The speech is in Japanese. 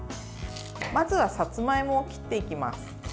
まずはさつまいもを切っていきます。